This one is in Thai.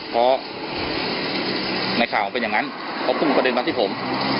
เพราะในข่าวมันเป็นอย่างงั้นก็ฝึกประเด็นบางทีผม